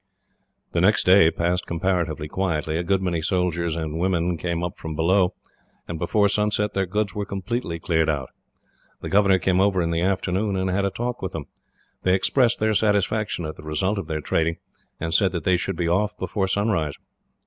The next day passed comparatively quietly. A good many soldiers and women came up from below, and before sunset their goods were completely cleared out. The governor came over in the afternoon and had a talk with them. They expressed their satisfaction at the result of their trading, and said that they should be off before sunrise.